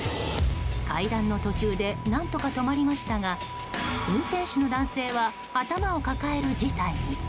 階段の途中で何とか止まりましたが運転手の男性は頭を抱える事態に。